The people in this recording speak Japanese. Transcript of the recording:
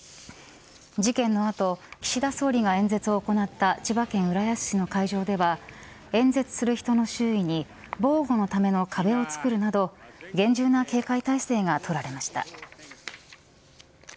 事件のあと岸田総理が演説を行った千葉県浦安市の会場では演説する人の周囲に防護のための壁を作るなど厳重な警戒態勢が取られました。